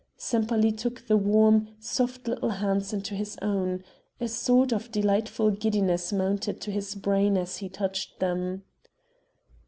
Sempaly took the warm, soft little hands in his own; a sort of delightful giddiness mounted to his brain as he touched them.